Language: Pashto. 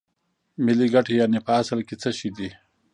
ملي ګټې یانې په اصل کې څه شی دي